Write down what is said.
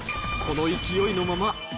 この勢いのまま